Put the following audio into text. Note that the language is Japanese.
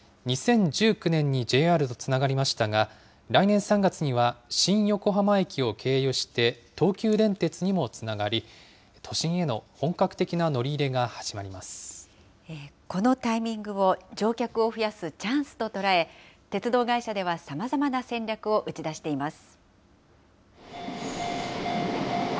２０１９年にＪＲとつながりましたが、来年３月には新横浜駅を経由して、東急電鉄にもつながり、都心への本格的な乗り入れが始まこのタイミングを乗客を増やすチャンスと捉え、鉄道会社ではさまざまな戦略を打ち出しています。